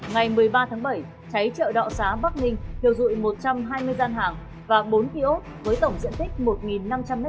ngày một mươi ba tháng bảy cháy chợ đọ xá bắc ninh thiêu dụi một trăm hai mươi gian hàng và bốn kiosk với tổng diện tích một năm trăm linh m hai